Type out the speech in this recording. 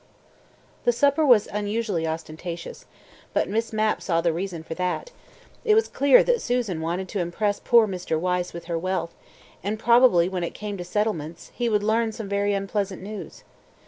The supper was unusually ostentatious, but Miss Mapp saw the reason for that; it was clear that Susan wanted to impress poor Mr. Wyse with her wealth, and probably when it came to settlements, he would learn some very unpleasant news.